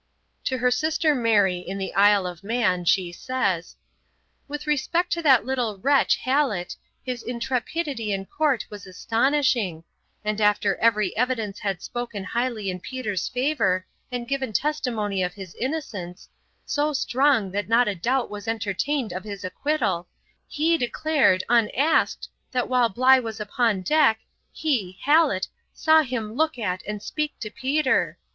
To her sister Mary in the Isle of Man she says, 'With respect to that little wretch Hallet, his intrepidity in court was astonishing; and after every evidence had spoken highly in Peter's favour, and given testimony of his innocence, so strong that not a doubt was entertained of his acquittal, he declared, unasked, that while Bligh was upon deck, he (Hallet) saw him look at and speak to Peter.